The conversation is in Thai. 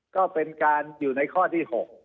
ก็เป็นการอยู่ในข้อที่๖นะครับ